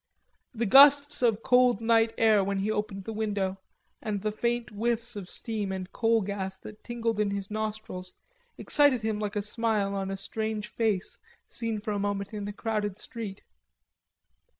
The gusts of cold night air when he opened the window and the faint whiffs of steam and coal gas that tingled in his nostrils excited him like a smile on a strange face seen for a moment in a crowded street.